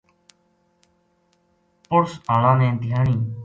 پُڑس ہاڑاں نے دھیانی